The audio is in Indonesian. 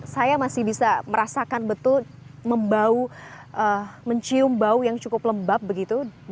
saya masih bisa merasakan betul membau mencium bau yang cukup lembab begitu bahkan dari luar